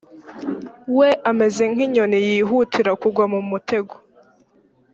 we ameze nk inyoni yihutira kugwa mu mutego